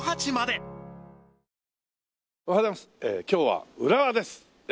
今日は浦和です。